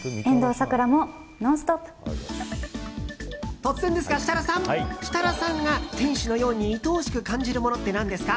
突然ですが、設楽さん設楽さんが天使のようにいとおしく感じるものって何ですか？